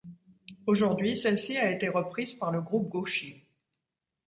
Aujourd’hui celle-ci a été reprise par le Groupe Gauchy.